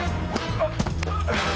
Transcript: あっ。